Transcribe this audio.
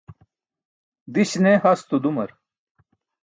Diś ne hasto dumar.